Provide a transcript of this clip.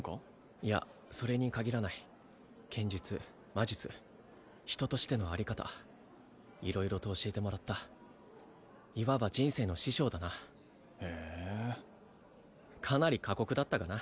いやそれに限らない剣術魔術人としてのあり方色々と教えてもらったいわば人生の師匠だなへえかなり過酷だったがな